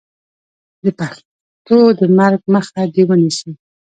د پښتو د مرګ مخه دې ونیسو.